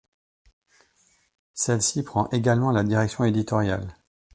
Celle-ci prend également la direction éditoriale.